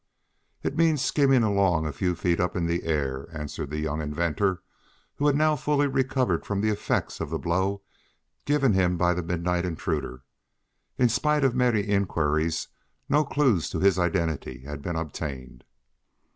"It means skimming along a few feet up in the air," answered the young inventor, who had now fully recovered from the effects of the blow given him by the midnight intruder. In spite of many inquiries, no clues to his identity had been obtained.